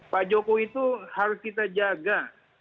pak jokowi itu harus kita jaga